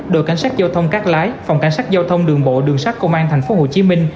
đội cảnh sát giao thông cát lái phòng cảnh sát giao thông đường bộ đường sát công an tp hcm